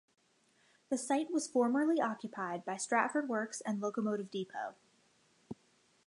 The site was formerly occupied by Stratford Works and Locomotive Depot.